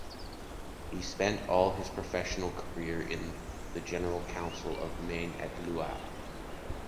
He spent all his professional career in the General Council of Maine-et-Loire.